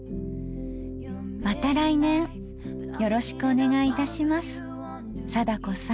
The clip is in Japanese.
また来年よろしくお願いいたします貞子さん。